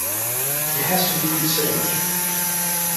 He has to be considerate.